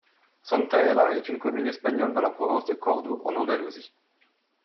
Santaella est une commune espagnole, dans la province de Cordoue en Andalousie.